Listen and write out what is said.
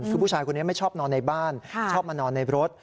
คือผู้ชายคนนี้ไม่ชอบนอนในบ้านชอบมานอนในรถ